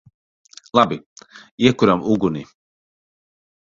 Labi. Iekuram uguni!